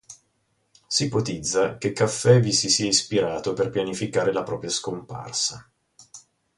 Si ipotizza che Caffè vi si sia ispirato per pianificare la propria scomparsa.